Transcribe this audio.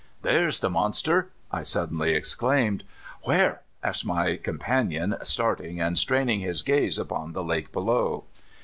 " There 's the Monster !" I suddenly exclaimed. "Where?" asked my companion, starting, and straining his gaze upon the lake below.